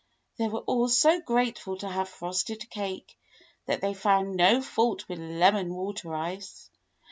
They were all so grateful to have frosted cake that they found no fault with lemon water ice.